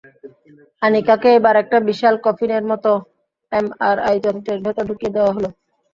আনিকাকে এবার একটা বিশাল কফিনের মতো এমআরআই যন্ত্রের ভেতর ঢুকিয়ে দেওয়া হলো।